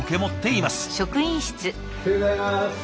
おはようございます！